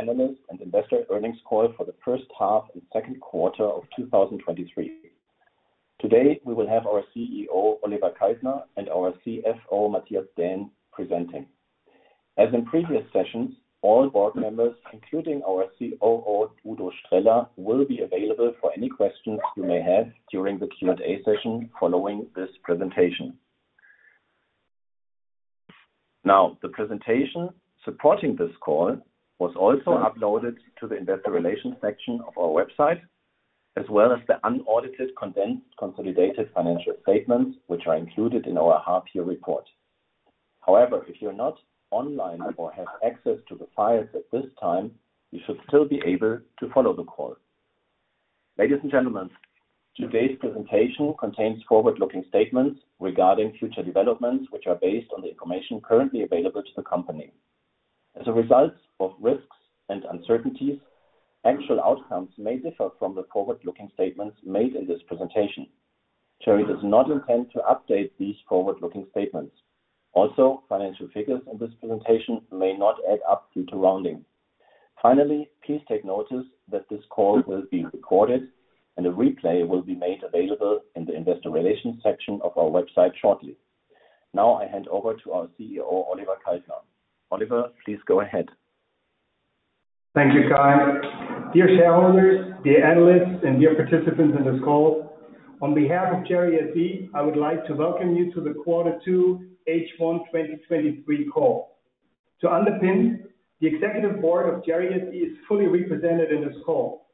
Analysts and investor earnings call for the 1st half and 2nd quarter of 2023. Today, we will have our CEO, Oliver Kaltner, and our CFO, Mathias Dähn, presenting. As in previous sessions, all board members, including our COO, Udo Streller, will be available for any questions you may have during the Q&A session following this presentation. Now, the presentation supporting this call was also uploaded to the investor relations section of our website, as well as the unaudited condensed consolidated financial statements, which are included in our half-year report. However, if you're not online or have access to the files at this time, you should still be able to follow the call. Ladies and gentlemen, today's presentation contains forward-looking statements regarding future developments, which are based on the information currently available to the company. As a result of risks and uncertainties, actual outcomes may differ from the forward-looking statements made in this presentation. Cherry does not intend to update these forward-looking statements. Financial figures in this presentation may not add up due to rounding. Please take notice that this call will be recorded, and a replay will be made available in the investor relations section of our website shortly. I hand over to our CEO, Oliver Kaltner. Oliver, please go ahead. Thank you, Kai. Dear shareholders, dear analysts, and dear participants in this call, on behalf of Cherry SE, I would like to welcome you to the Quarter 2 H1 2023 call. To underpin, the executive board of Cherry SE is fully represented in this call.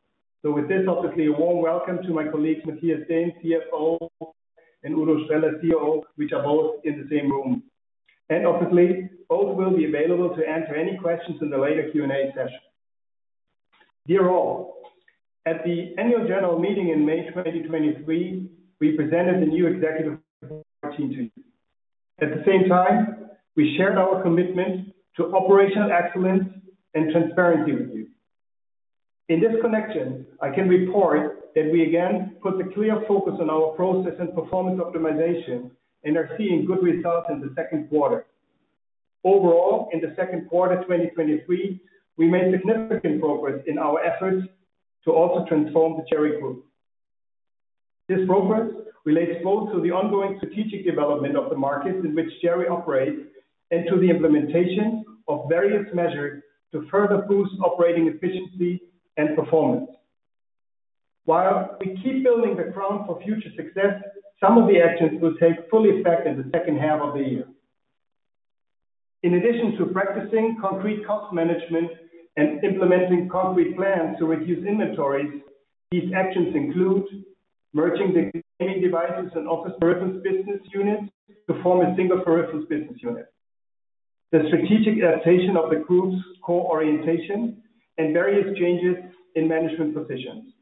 With this, obviously, a warm welcome to my colleagues, Mathias Dähn, CFO, and Udo Streller, COO, which are both in the same room. Obviously, both will be available to answer any questions in the later Q&A session. Dear all, at the annual general meeting in May 2023, we presented the new executive team to you. At the same time, we shared our commitment to operational excellence and transparency with you. In this connection, I can report that we again put a clear focus on our process and performance optimization and are seeing good results in the 2nd quarter. Overall, in the second quarter, 2023, we made significant progress in our efforts to also transform the Cherry Group. This progress relates both to the ongoing strategic development of the markets in which Cherry operates and to the implementation of various measures to further boost operating efficiency and performance. While we keep building the crown for future success, some of the actions will take full effect in the second half of the year. In addition to practicing concrete cost management and implementing concrete plans to reduce inventories, these actions include merging the Gaming Devices and Office Peripherals business units to form a single peripherals business unit, the strategic adaptation of the group's core orientation, and various changes in management positions.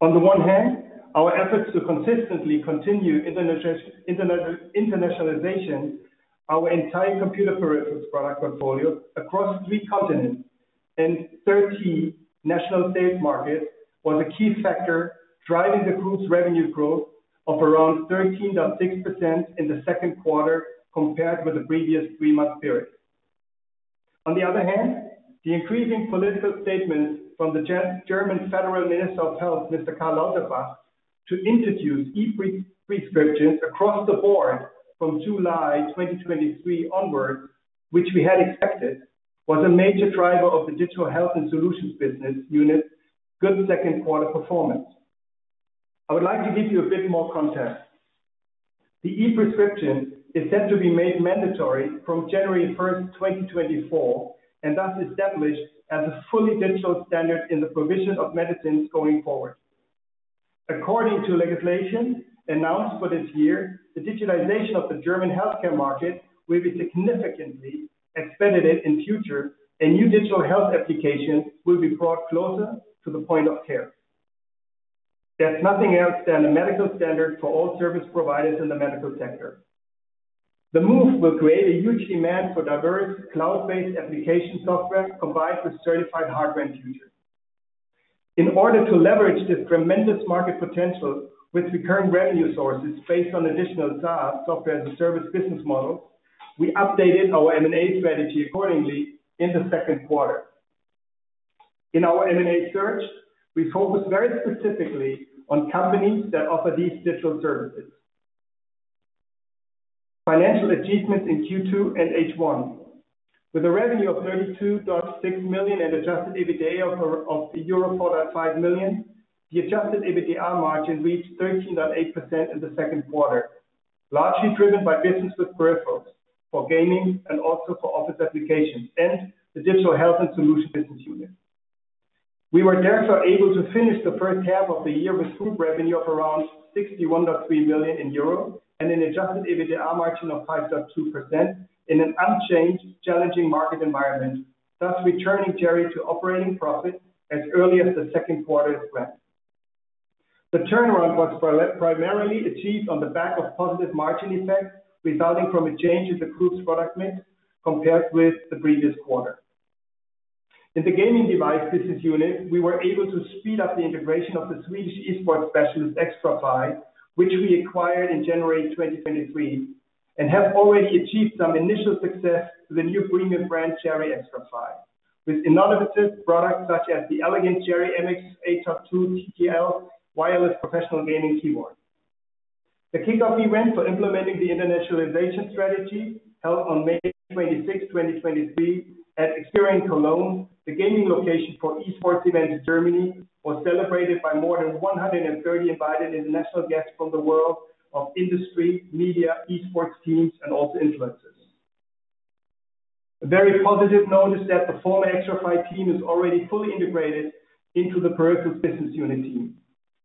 On the one hand, our efforts to consistently continue internationalization, our entire computer peripherals product portfolio across three continents and 30 national state markets, was a key factor driving the group's revenue growth of around 13.6% in the 2nd quarter, compared with the previous three-month period. On the other hand, the increasing political statements from the German Federal Minister of Health, Mr. Karl Lauterbach, to introduce e-prescriptions across the board from July 2023 onwards, which we had expected, was a major driver of the Digital Health & Solutions business unit good 2nd quarter performance. I would like to give you a bit more context. The e-prescription is set to be made mandatory from January 1st, 2024, and thus established as a fully digital standard in the provision of medicines going forward. According to legislation announced for this year, the digitalization of the German healthcare market will be significantly expedited in future, and new Digital Health applications will be brought closer to the point of care. There's nothing else than a medical standard for all service providers in the medical sector. The move will create a huge demand for diverse cloud-based application software, combined with certified hardware in future. In order to leverage this tremendous market potential with recurrent revenue sources based on additional SaaS, Software as a Service business model, we updated our M&A strategy accordingly in the second quarter. In our M&A search, we focus very specifically on companies that offer these digital services. Financial achievements in Q2 and H1. With a revenue of 32.6 million and Adjusted EBITDA of euro 4.5 million, the Adjusted EBITDA margin reached 13.8% in the second quarter, largely driven by business with peripherals, for gaming and also for office applications and the Digital Health & Solutions business unit. We were therefore able to finish the first half of the year with group revenue of around 61.3 million euro and an Adjusted EBITDA margin of 5.2% in an unchanged, challenging market environment, thus returning Cherry to operating profit as early as the second quarter as planned. The turnaround was primarily achieved on the back of positive margin effects, resulting from a change in the group's product mix compared with the previous quarter. In the Gaming Devices Business Unit, we were able to speed up the integration of the Swedish esports specialist, Xtrfy, which we acquired in January 2023 and have already achieved some initial success with the new premium brand, CHERRY XTRFY, with innovative products such as the elegant CHERRY MX 8.2 TKL Wireless professional gaming keyboard. The kickoff event for implementing the internationalization strategy, held on May 26th, 2023, at XPERION Cologne, the gaming location for esports event in Germany, was celebrated by more than 130 invited international guests from the world of industry, media, esports teams, and also influencers. A very positive note is that the former Xtrfy team is already fully integrated into the peripherals business unit team.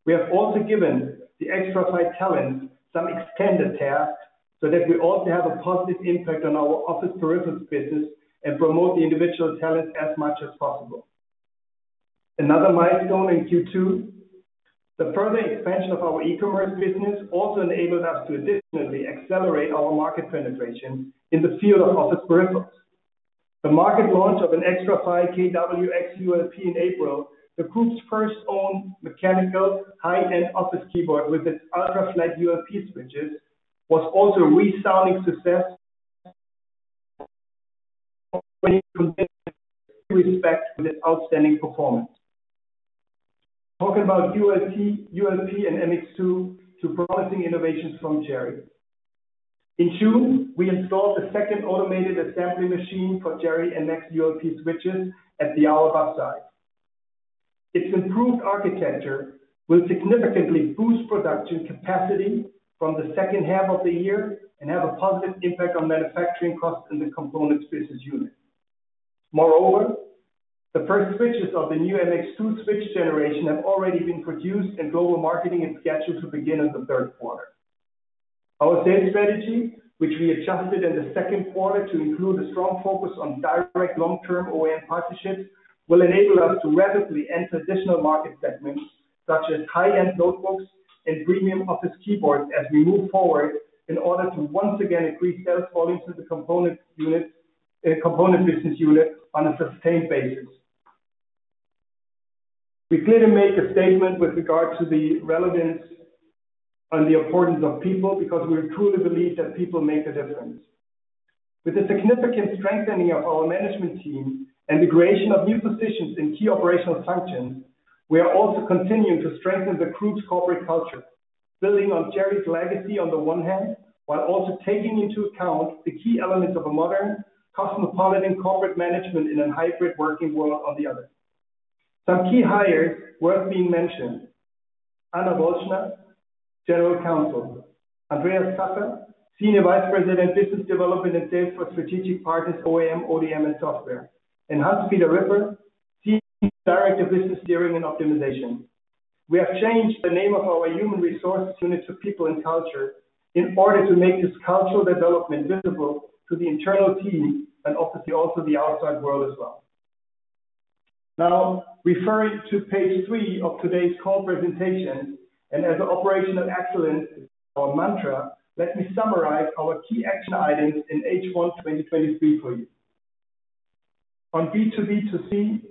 We have also given the Xtrfy talent some extended tasks, so that we also have a positive impact on our Office Peripherals business and promote the individual talent as much as possible. Another milestone in Q2, the further expansion of our e-commerce business also enabled us to additionally accelerate our market penetration in the field of Office Peripherals. The market launch of an Xtrfy KW X ULP in April, the group's first own mechanical high-end office keyboard with its ultra-flat ULP switches, was also a resounding success. Respect for this outstanding performance. Talk about ULP, ULP and MX2, two promising innovations from Cherry. In June, we installed a second automated assembly machine for Cherry and next ULP switches at the Auerbach site. Its improved architecture will significantly boost production capacity from the second half of the year and have a positive impact on manufacturing costs in the component business unit. Moreover, the first switches of the new MX2 switch generation have already been produced, and global marketing is scheduled to begin in the third quarter. Our sales strategy, which we adjusted in the second quarter to include a strong focus on direct long-term OEM partnerships, will enable us to rapidly enter additional market segments, such as high-end notebooks and premium office keyboards as we move forward in order to once again increase sales volumes to the component unit, component business unit on a sustained basis. We clearly make a statement with regard to the relevance and the importance of people, because we truly believe that people make a difference. With the significant strengthening of our management team and the creation of new positions in key operational functions, we are also continuing to strengthen the group's corporate culture, building on Cherry's legacy on the one hand, while also taking into account the key elements of a modern, cosmopolitan, corporate management in a hybrid working world on the other. Some key hires worth being mentioned: Anna Wolschner, General Counsel; Andreas Zacher, Senior Vice President, Business Development and Sales for Strategic Partners, OEM, ODM, and Software; and Hans-Peter Ripper, Senior Director, Business Steering and Optimization. We have changed the name of our human resource unit to People and Culture in order to make this cultural development visible to the internal team and obviously also the outside world as well. Referring to page three of today's call presentation, and as an operational excellence or mantra, let me summarize our key action items in H1 2023 for you. On B2B2C,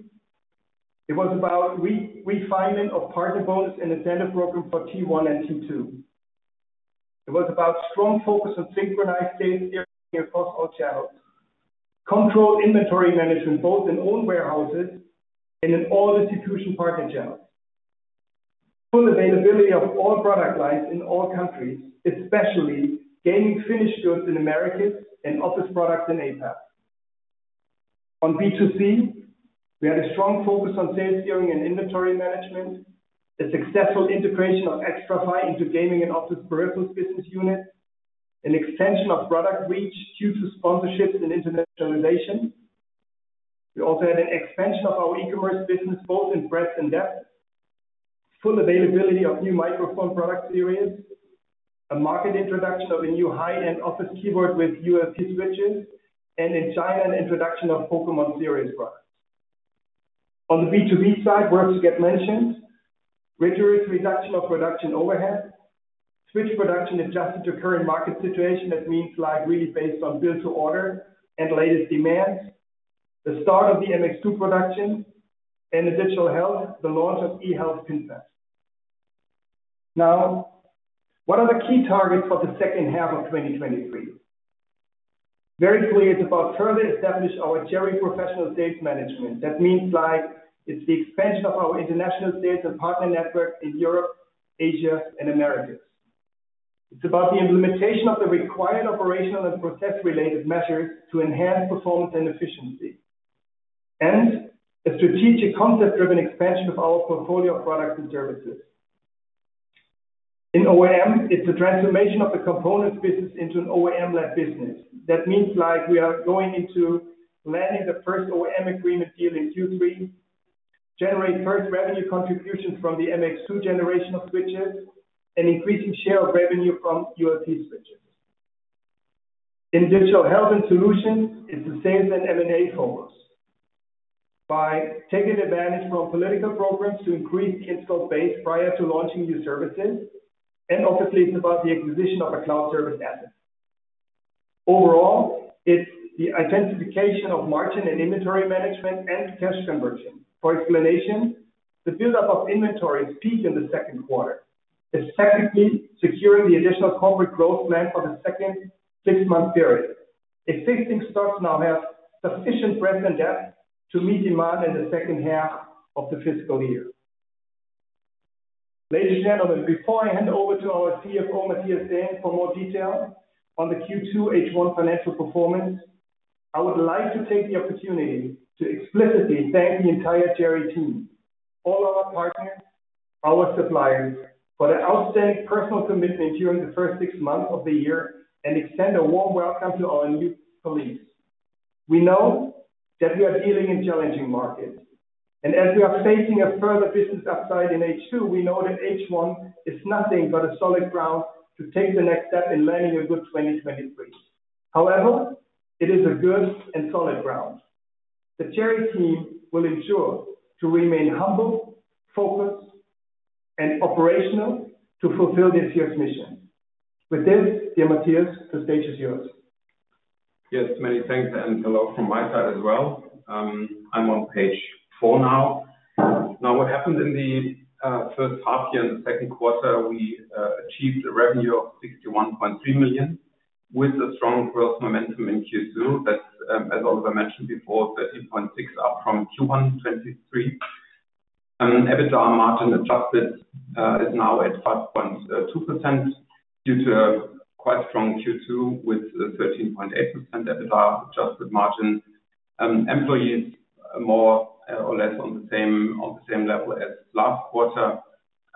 it was about re-refinement of partner bonus and incentive program for T1 and T2. It was about strong focus on synchronized sales steering across all channels. Controlled inventory management, both in own warehouses and in all institution partner channels. Full availability of all product lines in all countries, especially gaming finished goods in Americas and office products in APAC. On B2C, we had a strong focus on sales steering and inventory management, a successful integration of Xtrfy into Gaming and Office Peripherals business unit, an extension of product reach due to sponsorships and internationalization. We also had an expansion of our e-commerce business, both in breadth and depth, full availability of new microphone product series, a market introduction of a new high-end office keyboard with ULP switches, and in China, an introduction of Pokémon series products. On the B2B side, worth to get mentioned, rigorous reduction of production overhead, switch production adjusted to current market situation. That means, like, really based on build to order and latest demands, the start of the MX2 production and the Digital Health, the launch of CHERRY eHealth-PIN-Pad. Now, what are the key targets for the second half of 2023? Very clear, it's about further establish our Cherry professional sales management. That means like, it's the expansion of our international sales and partner network in Europe, Asia, and Americas. It's about the implementation of the required operational and process-related measures to enhance performance and efficiency, and a strategic concept-driven expansion of our portfolio of products and services. In OEM, it's a transformation of the components business into an OEM-led business. That means like we are going into landing the first OEM agreement deal in Q3, generate first revenue contributions from the MX2 generation of switches, and increasing share of revenue from ULP switches. In Digital Health & Solutions, it's the sales and M&A focus. By taking advantage from political programs to increase the installed base prior to launching new services, and obviously, it's about the acquisition of a cloud service asset. Overall, it's the identification of margin and inventory management and cash conversion. For explanation, the buildup of inventory peaked in the second quarter. It's technically securing the additional corporate growth plan for the second six-month period. Existing stocks now have sufficient breadth and depth to meet demand in the 2nd half of the fiscal year. Ladies and gentlemen, before I hand over to our CFO, Mathias Dähn, for more detail on the Q2 H1 financial performance, I would like to take the opportunity to explicitly thank the entire Cherry team, all our partners, our suppliers, for their outstanding personal commitment during the 1st six months of the year, and extend a warm welcome to our new colleagues. We know that we are dealing in challenging markets, and as we are facing a further business upside in H2, we know that H1 is nothing but a solid ground to take the next step in landing a good 2023. However, it is a good and solid ground. The Cherry team will ensure to remain humble, focused, and operational to fulfill this year's mission. With this, dear Mathias, the stage is yours. Yes, many thanks, hello from my side as well. I'm on page four now. What happened in the 1st half year and the 2nd quarter, we achieved a revenue of 61.3 million, with a strong growth momentum in Q2. That's, as Oliver Kaltner mentioned before, 13.6%, up from 223. EBITDA margin adjusted is now at 5.2% due to a quite strong Q2 with a 13.8% EBITDA adjusted margin. Employees, more or less on the same level as last quarter.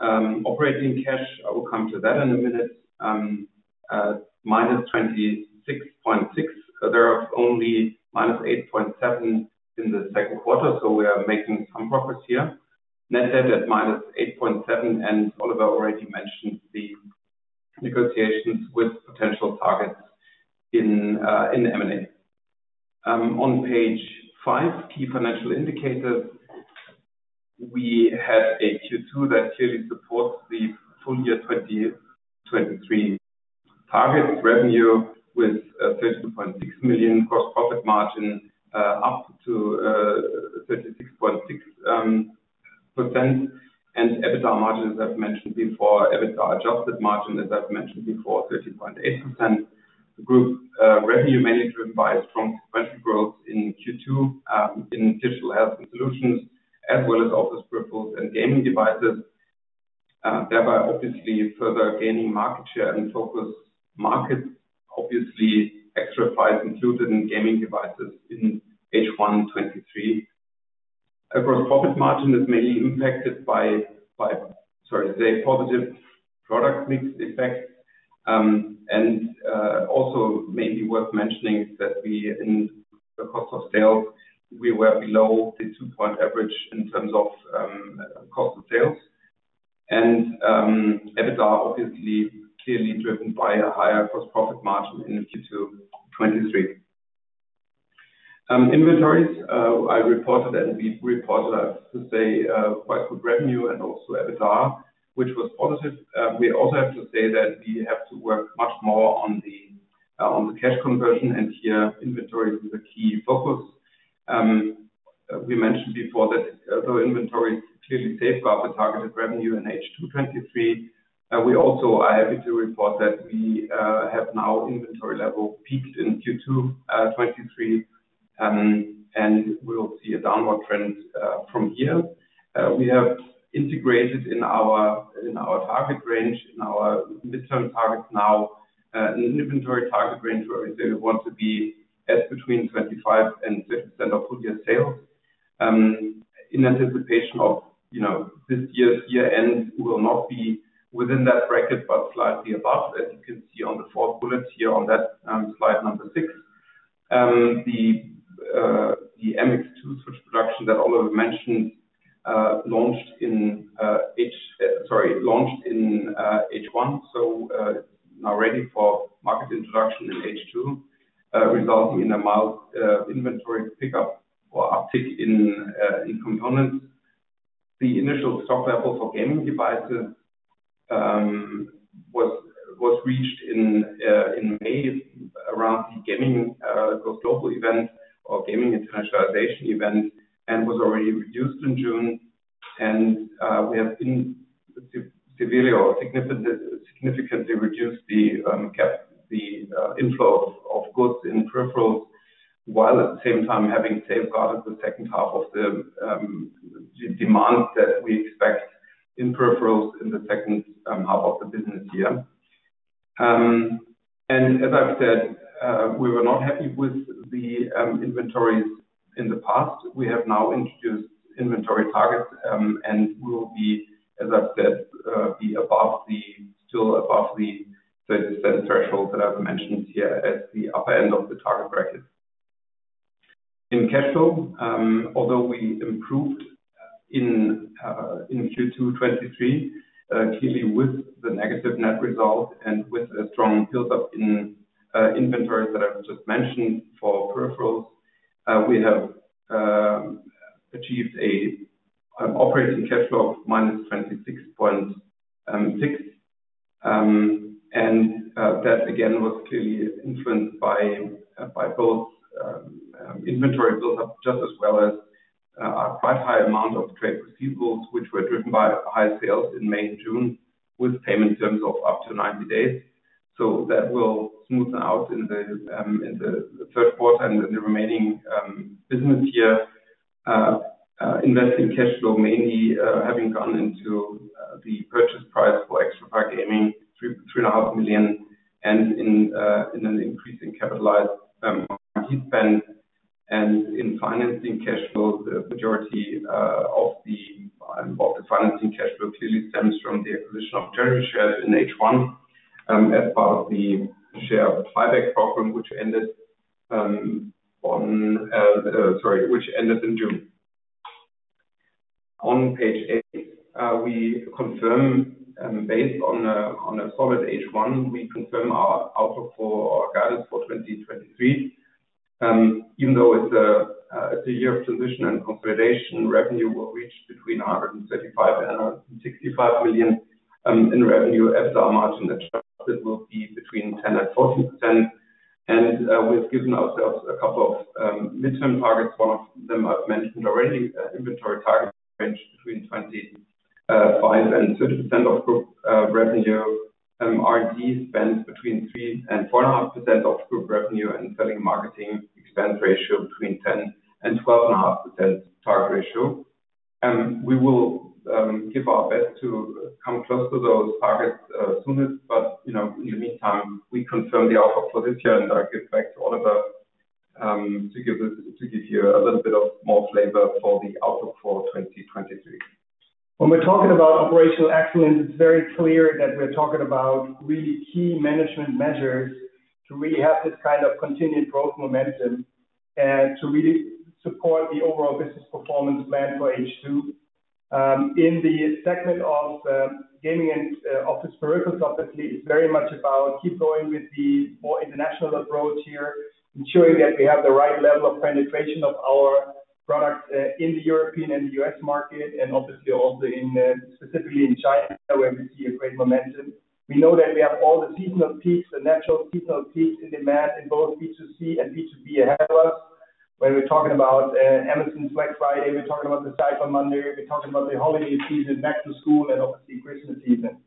Operating cash, I will come to that in a minute. -26.6 million. There are only -8.7 million in the 2nd quarter, we are making some progress here. Net debt at minus 8.7 million. Oliver already mentioned the negotiations with potential targets in M&A. On page five, key financial indicators. We had a Q2 that clearly supports the full year 2023 target revenue with 32.6 million gross profit margin up to 36.6%. EBITDA margin, as I've mentioned before, EBITDA adjusted margin, as I've mentioned before, 13.8%. The group revenue managed to revise from potential growth in Q2 in Digital Health & Solutions, as well as Office Peripherals and Gaming Devices, thereby obviously further gaining market share and focus. Market, obviously, Xtrfy included in Gaming Devices in H1 2023. Our gross profit margin is mainly impacted by the positive product mix effect. Also maybe worth mentioning that we in the cost of sales, we were below the 2-point average in terms of cost of sales. EBITDA, obviously, clearly driven by a higher gross profit margin in Q2 2023. Inventories, I reported that, we reported, I have to say, quite good revenue and also EBITDA, which was positive. We also have to say that we have to work much more on the cash conversion, and here, inventory is a key focus. We mentioned before that, though inventory clearly safeguards the targeted revenue in H2 2023, we also are happy to report that we have now inventory level peaked in Q2 2023, and we'll see a downward trend from here. We have integrated in our, in our target range, in our midterm targets now, an inventory target range where we still want to be at between 25% and 30% of full year sales. In anticipation of, you know, this year's year end will not be within that bracket, but slightly above, as you can see on the 4th bullet here on that, slide number six. The MX2 switch production that Oliver mentioned, launched in H1, so now ready for market introduction in H2, resulting in a mild inventory pickup or uptick in components. The initial software for Gaming Devices was reached in May around the gaming Go Global event or gaming internationalization event, and was already reduced in June. We have seen severely or significantly reduced the cap, the inflow of goods in peripherals, while at the same time having safeguarded the second half of the demand that we expect in peripherals in the second half of the business year. As I've said, we were not happy with the inventories in the past. We have now introduced inventory targets, and we will be, as I've said, still above the 37 threshold that I've mentioned here at the upper end of the target bracket. In cash flow, although we improved in Q2 2023, clearly with the negative net result and with a strong build-up in inventories that I've just mentioned for peripherals, we have... achieved an operating cash flow of minus 26.6 million. That again, was clearly influenced by both inventory buildup, just as well as a quite high amount of trade receivables, which were driven by high sales in May and June, with payment terms of up to 90 days. That will smooth out in the third quarter and the remaining business year. Investing cash flow mainly having gone into the purchase price for Xtrfy Gaming, 3.5 million, and in an increase in capitalized heat spend. In financing cash flow, the majority of the financing cash flow clearly stems from the acquisition of treasury shares in H1 as part of the share buyback program, which ended in June. On page eight, we confirm, based on a solid H1, we confirm our outlook for our guidance for 2023. Even though it's a year of transition and consolidation, revenue will reach between 135 million and 165 million in revenue as our margin adjusted will be between 10% and 14%. We've given ourselves a couple of midterm targets. One of them I've mentioned already, inventory target range between 25% and 30% of group revenue. R&D spends between 3% and 4.5% of group revenue, and selling marketing expense ratio between 10% and 12.5% target ratio. We will give our best to come close to those targets soonest, but, you know, in the meantime, we confirm the offer for this year, and I'll give back to Oliver to give you a little bit of more flavor for the outlook for 2023. When we're talking about operational excellence, it's very clear that we're talking about really key management measures to really have this kind of continued growth momentum, and to really support the overall business performance plan for H2. In the segment of Gaming and Office Peripherals, obviously, it's very much about keep going with the more international approach here, ensuring that we have the right level of penetration of our products in the European and U.S. market, and obviously also in specifically in China, where we see a great momentum. We know that we have all the seasonal peaks, the natural seasonal peaks in demand in both B2C and B2B ahead of us, where we're talking about Amazon's Black Friday, we're talking about the Cyber Monday, we're talking about the holiday season, back to school, and obviously, Christmas season.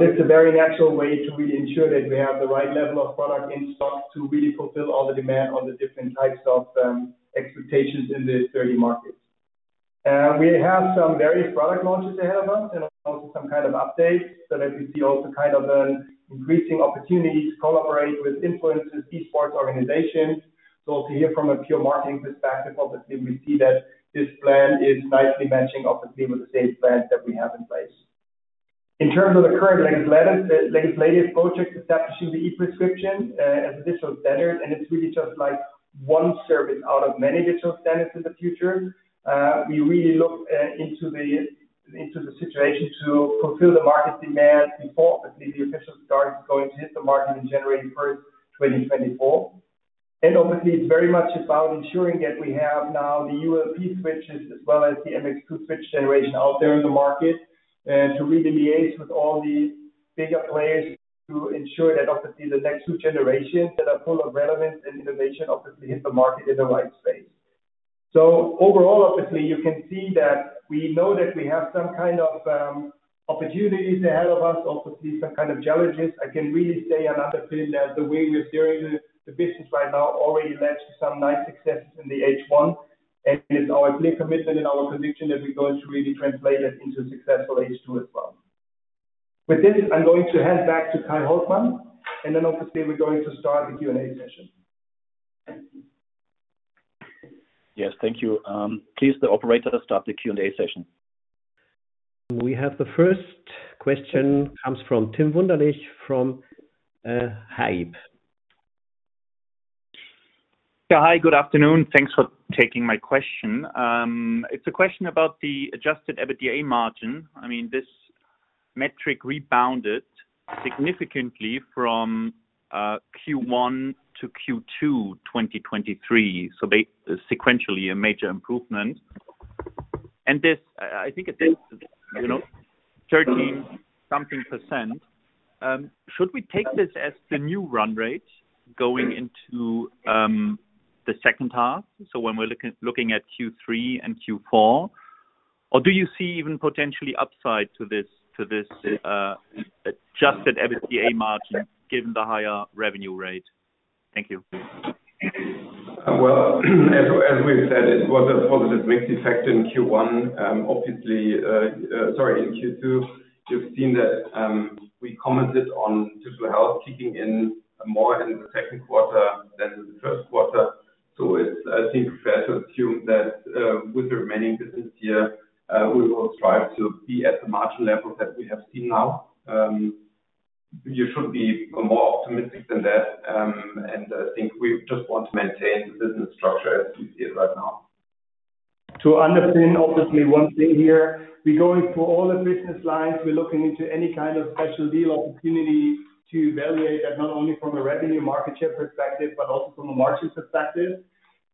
This is a very natural way to really ensure that we have the right level of product in stock to really fulfill all the demand on the different types of expectations in the 30 markets. We have some various product launches ahead of us and also some kind of updates, so that we see also kind of an increasing opportunity to collaborate with influencers, esports organizations. To hear from a pure marketing perspective, obviously, we see that this plan is nicely matching, obviously, with the same plan that we have in place. In terms of the current legislative project, establishing the e-prescription as a digital standard, and it's really just like one service out of many digital standards in the future. We really look into the situation to fulfill the market demand before, obviously, the official start is going to hit the market in January 1st, 2024. Obviously, it's very much about ensuring that we have now the ULP switches as well as the MX2 switch generation out there in the market to really liaise with all the bigger players to ensure that obviously, the next two generations that are full of relevance and innovation, obviously, hit the market in the right space. Overall, obviously, you can see that we know that we have some kind of opportunities ahead of us, obviously, some kind of challenges. I can really say and underpin that the way we're doing the business right now already led to some nice successes in the H1, and it's our clear commitment and our conviction that we're going to really translate that into a successful H2 as well. With this, I'm going to hand back to Kai Holtzmann, and then, obviously, we're going to start the Q&A session. Yes, thank you. Please, the operator, start the Q&A session. We have the first question comes from Tim Wunderlich from HAIB. Yeah, hi, good afternoon. Thanks for taking my question. It's a question about the Adjusted EBITDA margin. I mean, this metric rebounded significantly from Q1 to Q2 2023, so they sequentially a major improvement. This, I, I think it is, you know, 13 something %. Should we take this as the new run rate going into the second half? When we're looking, looking at Q3 and Q4, or do you see even potentially upside to this, to this Adjusted EBITDA margin, given the higher revenue rate? Thank you. Well, as we, as we said, it was a positive mixed effect in Q1. Obviously, sorry, in Q2, you've seen that, we commented on Digital Health kicking in more in the second quarter than in the first quarter. It's, I think, fair to assume that, with the remaining business year, we will strive to be at the margin level that we have seen now. You should be more optimistic than that, and I think we just want to maintain the business structure as you see it right now. To underpin, obviously, one thing here, we're going through all the business lines. We're looking into any kind of special deal opportunity to evaluate that, not only from a revenue market share perspective, but also from a margin perspective.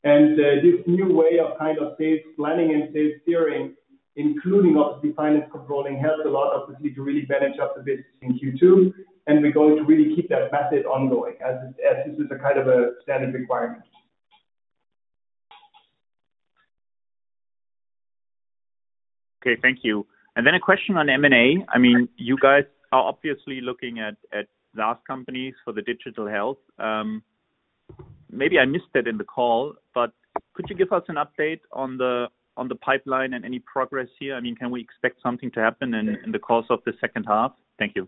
This new way of kind of sales planning and sales steering, including obviously, finance controlling, helped a lot, obviously, to really manage up the business in Q2, and we're going to really keep that method ongoing, as this is a kind of a standard requirement. Okay, thank you. A question on M&A. I mean, you guys are obviously looking at, at large companies for the Digital Health. Maybe I missed it in the call, but could you give us an update on the, on the pipeline and any progress here? I mean, can we expect something to happen in, in the course of the second half? Thank you.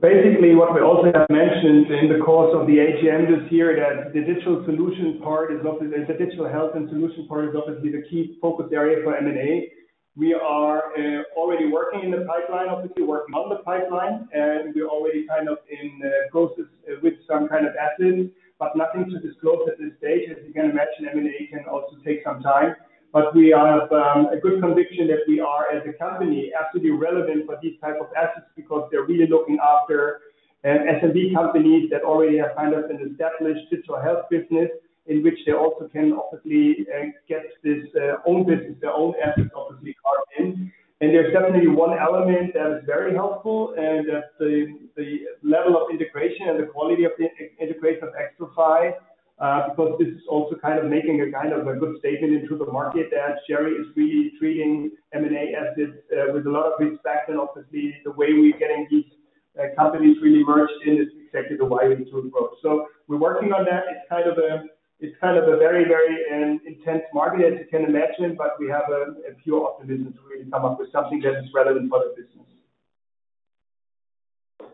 Basically, what we also have mentioned in the course of the AGM this year, that the Digital Health and solution part is obviously the key focus area for M&A. We are already working in the pipeline, obviously, working on the pipeline, and we're already kind of in closest with some kind of assets, but nothing to disclose at this stage. As you can imagine, M&A can also take some time, but we have a good conviction that we are, as a company, absolutely relevant for these type of assets because they're really looking after SMB companies that already have kind of an established Digital Health business, in which they also can obviously get this own business, their own assets, obviously, carved in. There's definitely one element that is very helpful, and that's the, the level of integration and the quality of the integration of Xtrfy, because this is also kind of making a kind of a good statement into the market that Cherry is really treating M&A assets with a lot of respect, and obviously, the way we're getting these companies really merged in is exactly the way we do it well. We're working on that. It's kind of a, it's kind of a very, very intense market, as you can imagine, but we have a, a pure optimism to really come up with something that is relevant for the business.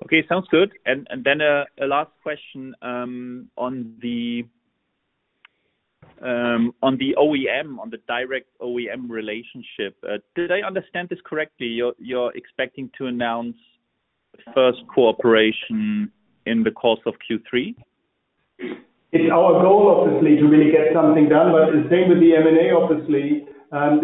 Okay, sounds good. A last question, on the OEM, on the direct OEM relationship. Did I understand this correctly? You're expecting to announce the first cooperation in the course of Q3? It's our goal, obviously, to really get something done. The same with the M&A, obviously,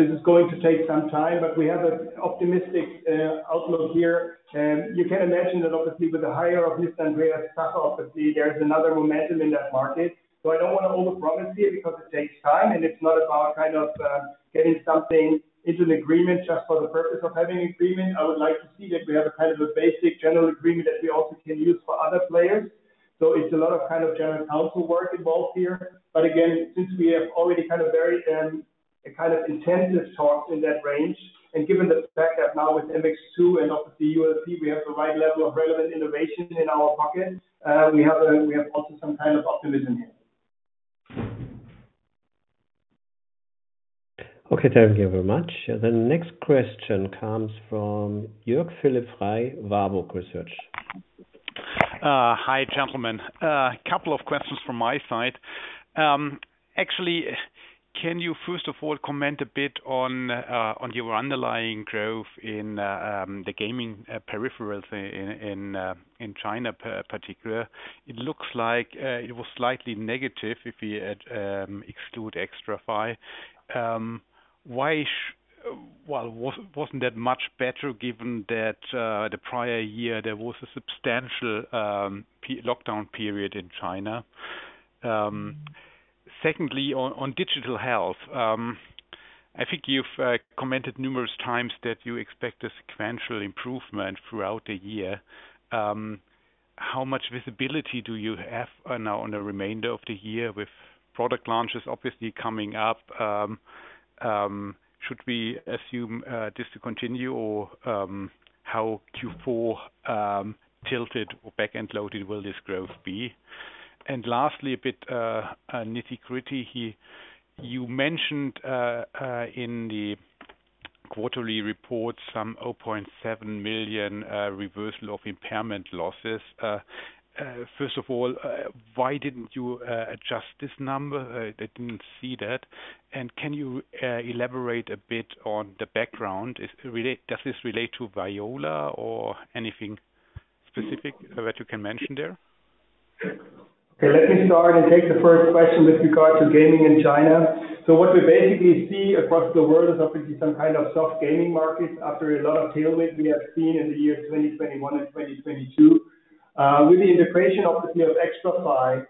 this is going to take some time, but we have an optimistic outlook here. You can imagine that obviously, with the hire of Andreas Zacher, obviously, there is another momentum in that market. I don't want to overpromise here because it takes time, and it's not about kind of, getting something into an agreement just for the purpose of having an agreement. I would like to see that we have a kind of a basic general agreement that we also can use for other players. It's a lot of kind of general counsel work involved here. Again, since we have already had a very, a kind of intensive talks in that range, and given the fact that now with MX2 and obviously, ULP, we have the right level of relevant innovation in our pocket, we have, we have also some kind of optimism here. Okay, thank you very much. The next question comes from Jörg Philipp Frey, Warburg Research. Hi, gentlemen. Couple of questions from my side. Actually, can you first of all, comment a bit on your underlying growth in the gaming peripherals in China, particular? It looks like it was slightly negative if you had exclude Xtrfy. Why sh-- Well, wasn't, wasn't that much better, given that the prior year, there was a substantial lockdown period in China? Secondly, on Digital Health, I think you've commented numerous times that you expect a sequential improvement throughout the year. How much visibility do you have now on the remainder of the year with product launches obviously coming up? Should we assume this to continue or how Q4 tilted or back-end loaded will this growth be? Lastly, a bit nitty-gritty here. You mentioned in the quarterly report, some 0.7 million reversal of impairment losses. First of all, why didn't you adjust this number? I, I didn't see that. Can you elaborate a bit on the background? Does this relate to Viola or anything specific that you can mention there? Let me start and take the first question with regard to gaming in China. What we basically see across the world is obviously some kind of soft gaming market after a lot of tailwind we have seen in the year 2021 and 2022. With the integration, obviously, of Xtrfy,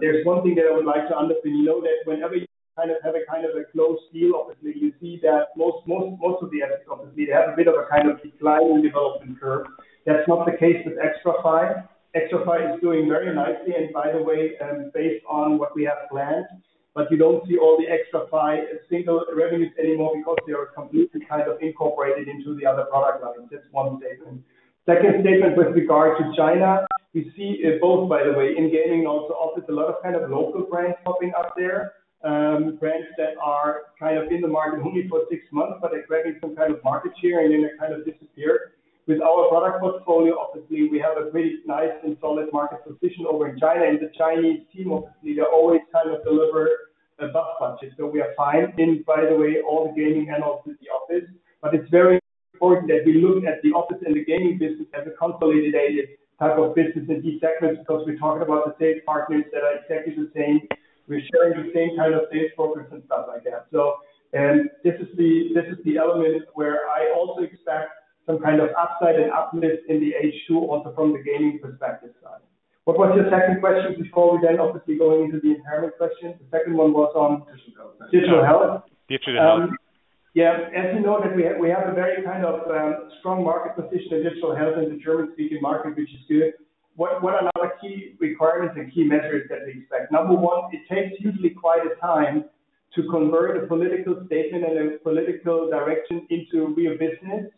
there's one thing that I would like to honestly know, that whenever you kind of have a kind of a close deal, obviously, you see that most of the assets, obviously, they have a bit of a kind of declining development curve. That's not the case with Xtrfy. Xtrfy is doing very nicely, and by the way, based on what we have planned, but you don't see all the Xtrfy single revenues anymore because they are completely kind of incorporated into the other product lines. That's one statement. Second statement with regard to China, we see it both, by the way, in gaming, also, obviously, a lot of kind of local brands popping up there, brands that are kind of in the market only for six months, but they're grabbing some kind of market share and then they kind of disappear. With our product portfolio, obviously, we have a really nice and solid market position over in China, and the Chinese team, obviously, they always kind of deliver a bus punches, so we are fine. By the way, all the gaming handles is the office. It's very important that we look at the office and the gaming business as a consolidated type of business in these segments, because we're talking about the sales partners that are exactly the same. We're sharing the same kind of sales focus and stuff like that. And this is the, this is the element where I also expect some kind of upside and uplift in the H2, also from the gaming perspective side. What was your second question before we then obviously go into the impairment question? The second one was. Digital Health. Digital Health. Digital Health. Yeah. As you know, that we, we have a very kind of, strong market position in Digital Health in the German-speaking market, which is good. What, what are our key requirements and key measures that we expect? Number one, it takes usually quite a time to convert a political statement and a political direction into real business.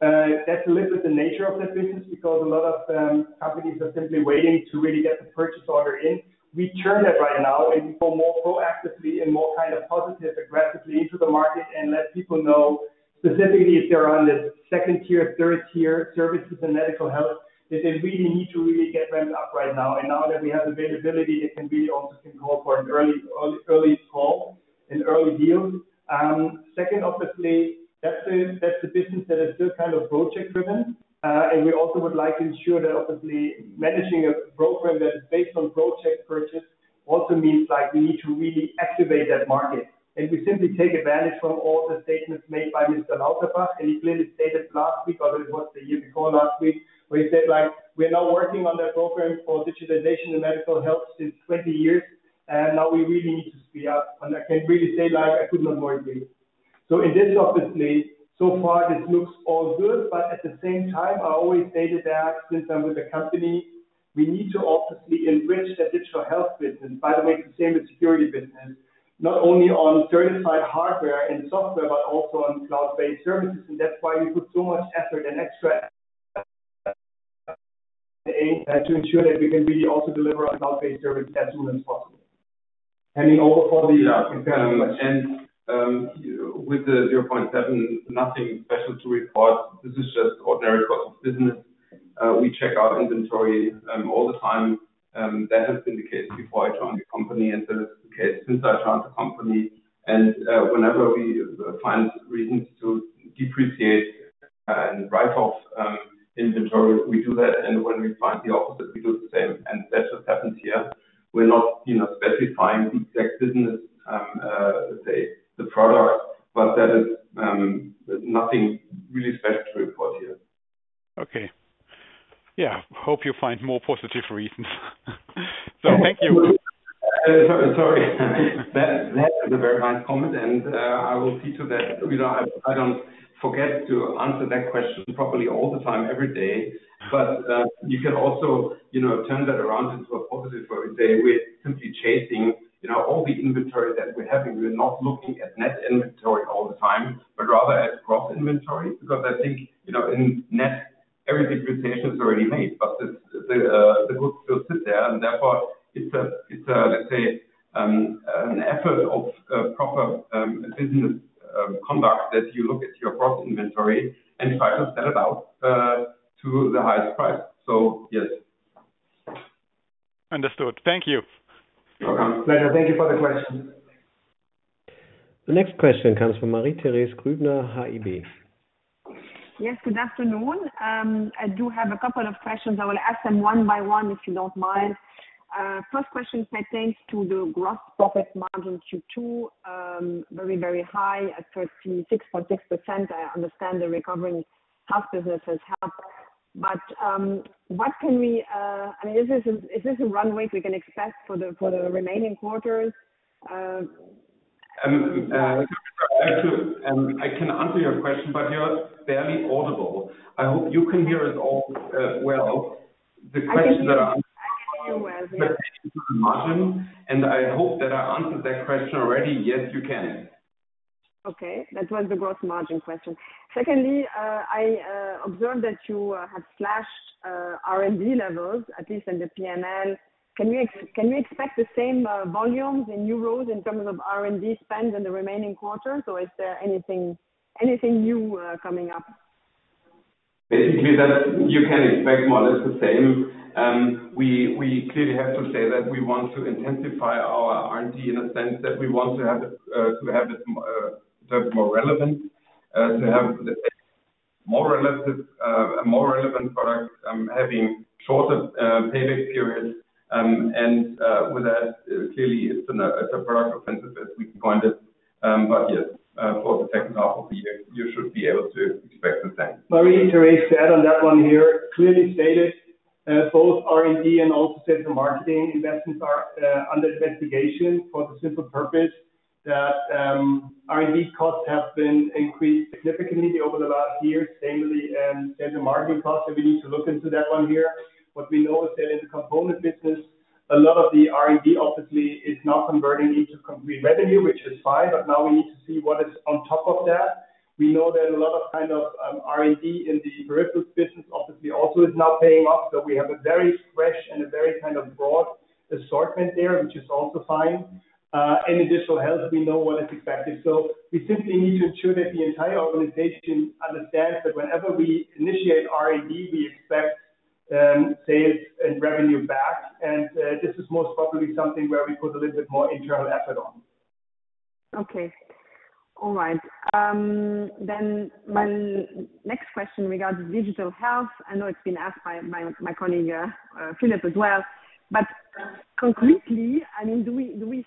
That's a little bit the nature of that business, because a lot of, companies are simply waiting to really get the purchase order in. We turn that right now and go more proactively and more kind of positive, aggressively into the market and let people know, specifically if they're on the second tier, third tier services and medical health, that they really need to really get ramped up right now. Now that we have availability, it can be also can call for an early, early, early fall and early deals. Second, obviously, that's the business that is still kind of project-driven. We also would like to ensure that obviously, managing a program that is based on project purchase also means like, we need to really activate that market. We simply take advantage from all the statements made by Mr. Lauterbach, and he clearly stated last week, or it was the year before last week, where he said, like, "We're now working on that program for digitalization in medical health since 20 years, and now we really need to speed up." I can really say, like, I could not more agree. In this, obviously, so far, this looks all good, but at the same time, I always say that since I'm with the company, we need to obviously enrich the digital health business. The same with security business, not only on certified hardware and software, but also on cloud-based services, and that's why we put so much effort to ensure that we can really also deliver a cloud-based service as soon as possible. overall for. Yeah. With the 0.7, nothing special to report, this is just ordinary course of business. We check our inventory all the time. That has been the case before I joined the company, and that is the case since I joined the company. Whenever we find reasons to depreciate and write off, inventory, we do that, and when we find the opposite, we do the same, and that's what happens here. We're not, you know, specifying the exact business, say, the product, but that is nothing really special to report here. Okay. Yeah, hope you find more positive reasons. Thank you. Sorry. That, that is a very nice comment, and I will see to that. I, I don't forget to answer that question properly all the time, every day. You can also, you know, turn that around into a positive, where we say we're simply chasing, you know, all the inventory that we're having. We're not looking at net inventory all the time, but rather at gross inventory, because I think, you know, in net, every depreciation is already made, but the, the, the goods still sit there, and therefore it's a, it's a, let's say, an effort of proper business conduct, that you look at your gross inventory and try to sell it out to the highest price. Yes. Understood. Thank you. You're welcome. Pleasure. Thank you for the question. The next question comes from Marie-Thérèse Grübner, HAIB. Yes, good afternoon. I do have a couple of questions. I will ask them one by one, if you don't mind. First question relates to the gross profit margin Q2, very, very high at 36.6%. I understand the recovering house businesses help, but, what can we... I mean, is this a, is this a runway we can expect for the, for the remaining quarters? I can, I can answer your question, but you're barely audible. I hope you can hear us all, well. I can hear you well, yes. The question, margin, and I hope that I answered that question already. Yes, you can. Okay. That was the gross margin question. Secondly, I observed that you had slashed R&D levels, at least in the P&L. Can we expect the same volumes in euros in terms of R&D spend in the remaining quarters, or is there anything, anything new coming up? Basically, that you can expect more or less the same. We clearly have to say that we want to intensify our R&D in a sense that we want to have, to have it, terms more relevant, to have more relevant, more relevant products, having shorter payback periods. With that, clearly, it's an it's a product offensive, as we can call it. Yes, for the second half of the year, you should be able to expect the same. Marie-Therese, to add on that one here, clearly stated, both R&D and also sales and marketing investments are under investigation for the simple purpose that R&D costs have been increased significantly over the last years, same with the sales and marketing costs. We need to look into that one here. What we know is that in the component business, a lot of the R&D obviously is not converting into complete revenue, which is fine, but now we need to see what is on top of that. We know that a lot of kind of R&D in the peripherals business obviously also is not paying off, so we have a very fresh and a very kind of broad assortment there, which is also fine. In Digital Health, we know what is expected. We simply need to ensure that the entire organization understands that whenever we initiate R&D, we expect sales and revenue back. This is most probably something where we put a little bit more internal effort on. Okay. All right. My next question regards Digital Health. I know it's been asked by, by my colleague, Philip as well. Concretely, I mean, do we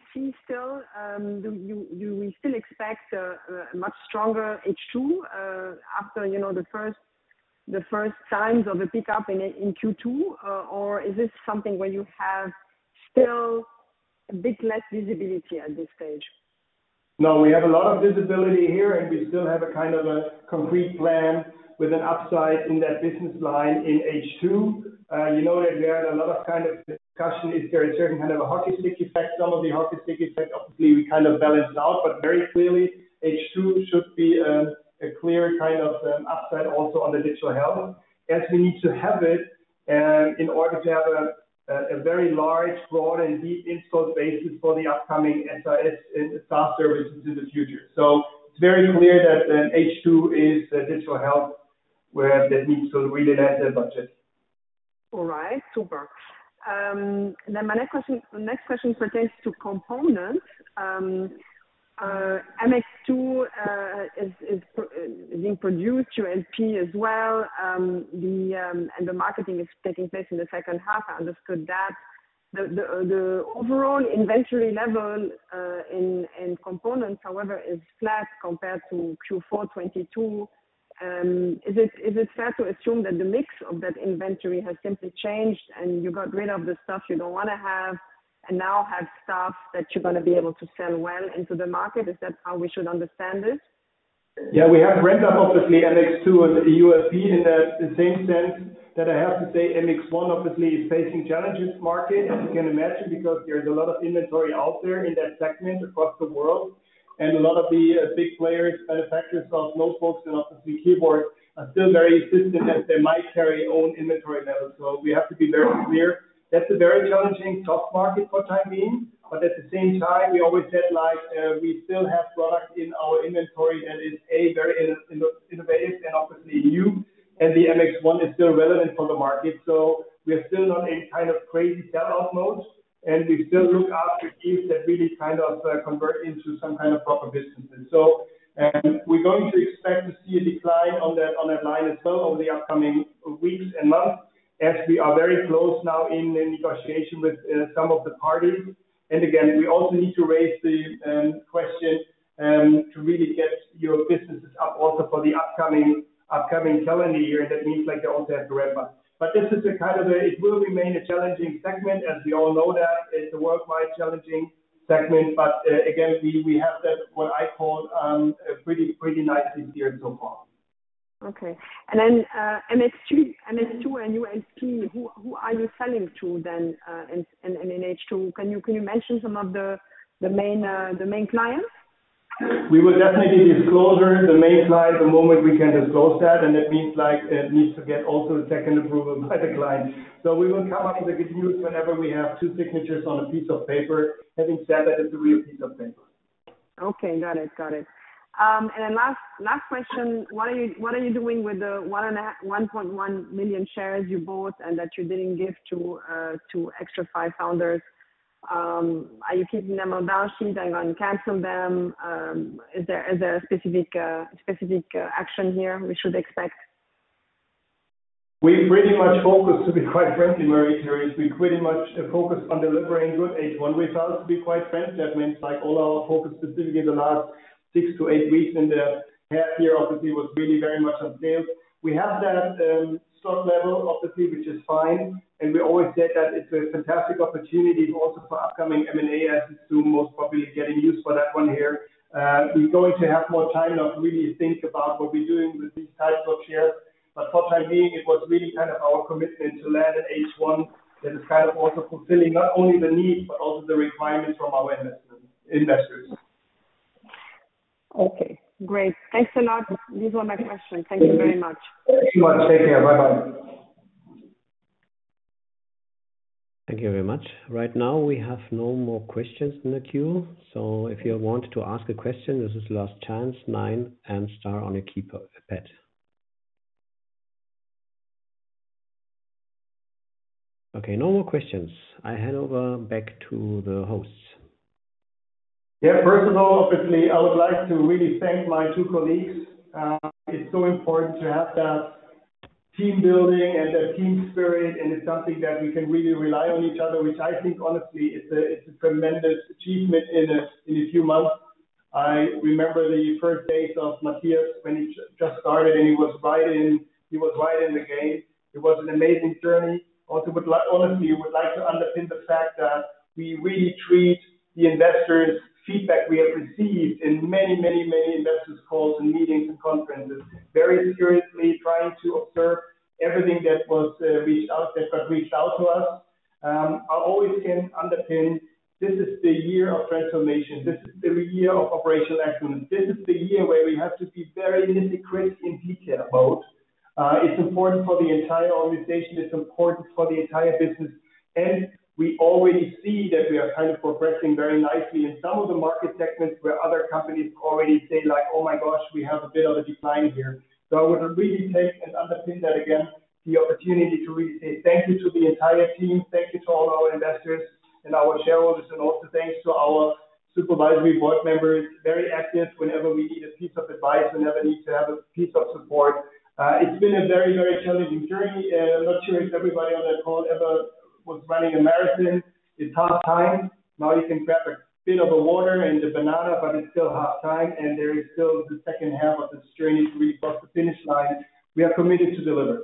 still expect a much stronger H2 after, you know, the first signs of a pickup in Q2? Or is this something where you have still a bit less visibility at this stage? No, we have a lot of visibility here, and we still have a kind of a concrete plan with an upside in that business line in H2. You know that there are a lot of kind of discussion if there is certain kind of a hockey stick effect. Some of the hockey stick effect, obviously, we kind of balance it out, but very clearly, H2 should be a, a clear kind of, upside also on the Digital Health, as we need to have it, in order to have a, a, a very large, broad and deep install basis for the upcoming SIS and software services in the future. It's very clear that H2 is a Digital Health where that needs to really add the budget. All right. Super. My next question, next question pertains to components. MX2 is being produced through MP as well. The marketing is taking place in the second half. I understood that. The overall inventory level, in components, however, is flat compared to Q4 2022. Is it fair to assume that the mix of that inventory has simply changed and you got rid of the stuff you don't want to have and now have stuff that you're going to be able to sell well into the market? Is that how we should understand it? Yeah, we have ramped up, obviously, MX2 and ULP in the, the same sense that I have to say MX1 obviously is facing challenges market as you can imagine, because there is a lot of inventory out there in that segment across the world. A lot of the big players, manufacturers of notebooks and obviously keyboards, are still very insistent that they might carry own inventory levels. We have to be very clear. That's a very challenging tough market for time being, but at the same time, we always said, like, we still have product in our inventory that is, A, very in, in, innovative and obviously new, and the MX1 is still relevant for the market. We are still not in kind of crazy sell-off mode, and we still look after deals that really kind of convert into some kind of proper business. We're going to expect to see a decline on that, on that line as well over the upcoming weeks and months, as we are very close now in the negotiation with some of the parties. Again, we also need to raise the question to really get your businesses up also for the upcoming, upcoming calendar year, and that means, like, you also have to ramp up. This is a kind of it will remain a challenging segment, as we all know that it's a worldwide challenging segment, again, we, we have that, what I call, a pretty, pretty nice this year so far. Okay. Then, MX2, MX2 and ULP, who, who are you selling to then, in, in, in H2? Can you, can you mention some of the, the main, the main clients? We will definitely disclosure the main client the moment we can disclose that. That means like it needs to get also a second approval by the client. We will come up with the good news whenever we have two signatures on a piece of paper. Having said that, it's a real piece of paper. Okay, got it. Got it. Then last, last question. What are you, what are you doing with the 1.1 million shares you bought and that you didn't give to Xtrfy founders? Are you keeping them on balance sheet and going to cancel them? Is there, is there a specific, specific action here we should expect? We pretty much focused, to be quite frankly, Marie-Therese, we pretty much focused on delivering good H1 results, to be quite frank. That means, like, all our focus, specifically in the last six to eight weeks in the half year, obviously, was really very much on sales. We have that stock level, obviously, which is fine, and we always said that it's a fantastic opportunity also for upcoming M&A, as to most probably getting used for that one here. We're going to have more time now to really think about what we're doing with these types of shares, but for time being, it was really kind of our commitment to land at H1. That is kind of also fulfilling not only the need, but also the requirements from our investors. Okay, great. Thanks a lot. These were my questions. Thank you very much. Thank you much. Take care. Bye-bye. Thank you very much. Right now, we have no more questions in the queue, so if you want to ask a question, this is last chance, nine and star on your keypad. Okay, no more questions. I hand over back to the hosts. First of all, obviously, I would like to really thank my two colleagues. It's so important to have that team building and that team spirit, and it's something that we can really rely on each other, which I think honestly, it's a, it's a tremendous achievement in a, in a few months. I remember the first days of Mathias when he just started, and he was right in, he was right in the game. It was an amazing journey. Also, honestly, would like to underpin the fact that we really treat the investors' feedback we have received in many, many, many investors calls and meetings and conferences, very seriously, trying to observe everything that was reached out, that got reached out to us. I always can underpin, this is the year of transformation. This is the year of operational excellence. This is the year where we have to be very nitpicky and detail about. It's important for the entire organization, it's important for the entire business, and we already see that we are kind of progressing very nicely in some of the market segments where other companies already say, like, "Oh, my gosh, we have a bit of a decline here." I want to really take and underpin that again, the opportunity to really say thank you to the entire team, thank you to all our investors and our shareholders, and also thanks to our supervisory board members, very active whenever we need a piece of advice, whenever we need to have a piece of support. It's been a very, very challenging journey. I'm not sure if everybody on that call ever was running a marathon. It's half time. Now, you can grab a bit of a water and a banana, but it's still half time, and there is still the second half of this journey to reach across the finish line. We are committed to deliver.